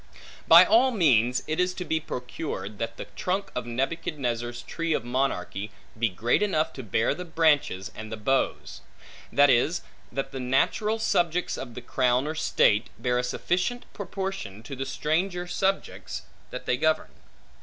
By all means it is to be procured, that the trunk of Nebuchadnezzar's tree of monarchy, be great enough to bear the branches and the boughs; that is, that the natural subjects of the crown or state, bear a sufficient proportion to the stranger subjects, that they govern.